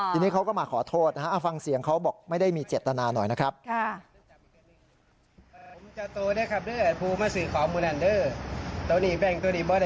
ทีนี้เขาก็มาขอโทษนะฮะฟังเสียงเขาบอกไม่ได้มีเจตนาหน่อยนะครับ